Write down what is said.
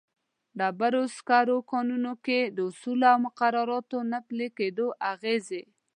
ډبرو سکرو کانونو کې د اصولو او مقرراتو نه پلي کېدلو اغېزې.